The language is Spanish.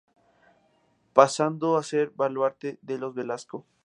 Pasando a ser baluarte de los Velasco.